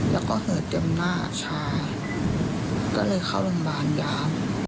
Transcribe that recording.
แล้วก็เหิดเต็มหน้าชาก็เลยเข้าโรงพยาบาลยา